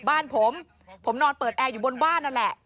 บ้านผมผมนอนเปิดแอร์อยู่บนบ้านนั่นแหละ